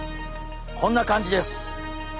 こんな感じです。